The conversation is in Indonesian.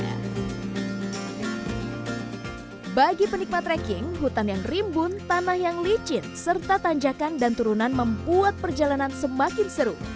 bagi penikmat trekking hutan yang rimbun tanah yang licin serta tanjakan dan turunan membuat perjalanan semakin seru